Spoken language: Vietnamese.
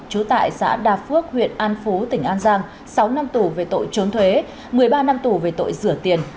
trú tại xã đà phước huyện an phú tỉnh an giang sáu năm tù về tội trốn thuế một mươi ba năm tù về tội rửa tiền